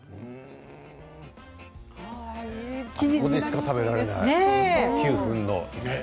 あそこでしか食べられない９分の。